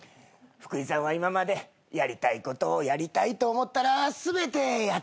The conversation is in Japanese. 福井さんは今までやりたいことをやりたいと思ったら全てやってきたでしょ？